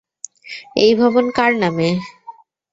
এই ভবন কার নামে?